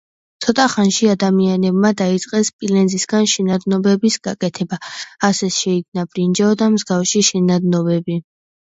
ცოტახანში ადამიანებმა დაიწყეს სპილენძისგან შენადნობების გაკეთება, ასე შეიქმნა ბრინჯაო და მსგავსი შენადნობები.